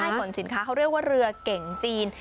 ขนสินค้าเขาเรียกว่าเรือเก่งจีน